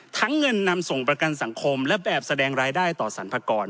เงินนำส่งประกันสังคมและแบบแสดงรายได้ต่อสรรพากร